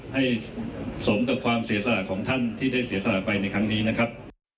ให้สมกับความเสียสละของท่านที่ได้เสียสละไปในครั้งนี้นะครับ